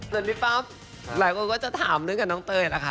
ส่วนพี่ปั๊บหลายคนก็จะถามเรื่องกับน้องเตยแหละค่ะ